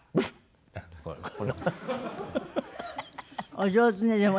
お上手ねでも。